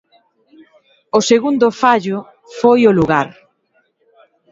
O segundo fallo foi o lugar.